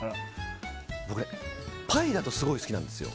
僕、パイだとすごい好きなんですよ。